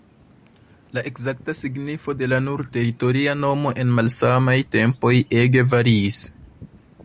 La ekzakta signifo de la nur teritoria nomo en malsamaj tempoj ege variis.